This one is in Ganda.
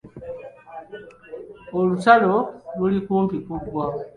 Oluutalo luli kumpi kuggwa.